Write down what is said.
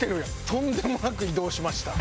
とんでもなく移動しました。